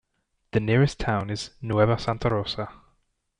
The nearest town is Nueva Santa Rosa.